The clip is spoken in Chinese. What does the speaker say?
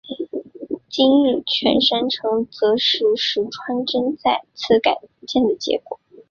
今日的犬山城则是石川贞清再次改建的结果。